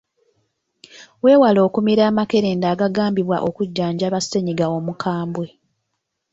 Weewale okumira amakerenda agagambibwa okujjanjaba ssennyiga omukambwe.